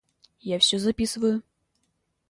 Я всё записываю.